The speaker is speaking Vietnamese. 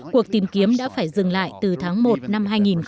cuộc tìm kiếm đã phải dừng lại từ tháng một năm hai nghìn một mươi chín